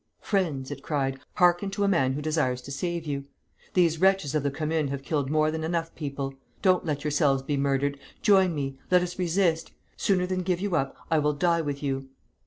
'Friends,' it cried, 'hearken to a man who desires to save you. These wretches of the Commune have killed more than enough people. Don't let yourselves be murdered! Join me. Let us resist. Sooner than give you up I will die with you!'